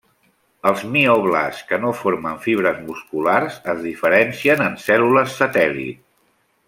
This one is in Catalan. Els mioblasts que no formen fibres musculars es diferencien en cèl·lules satèl·lit.